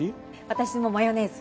私もマヨネーズ。